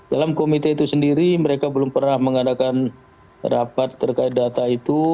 dalam komite itu sendiri mereka belum pernah mengadakan rapat terkait data itu